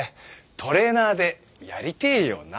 トレーナーでやりてえよな。